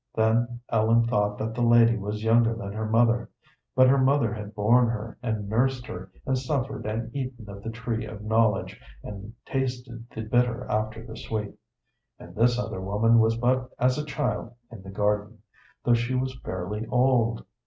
Then Ellen thought that the lady was younger than her mother; but her mother had borne her and nursed her, and suffered and eaten of the tree of knowledge, and tasted the bitter after the sweet; and this other woman was but as a child in the garden, though she was fairly old.